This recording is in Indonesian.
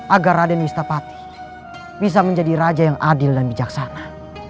agar raden wistapati bisa menjadi raja yang adil dan bijaksana